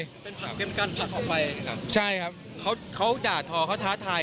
เป็นผักเข้มกั้นผักออกไปครับใช่ครับเขาเขาด่าทอเขาท้าทาย